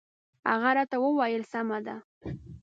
هغه راته وویل سمه ده.